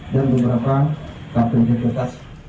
dan beberapa kapal ekipitas